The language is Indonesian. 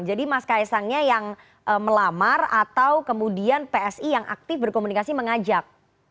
jadi mas kaisangnya yang melamar atau kemudian psi yang aktif berkomunikasi mengajak